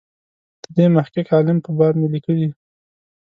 د دې محقق عالم په باب مې لیکلي.